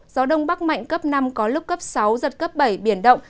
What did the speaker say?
gió đông bắc mạnh cấp năm có lúc cấp sáu giật cấp bảy biển động